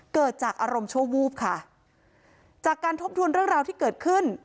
เกิดจากอารมณ์ชั่ววูบค่ะจากการทบทวนเรื่องราวที่เกิดขึ้น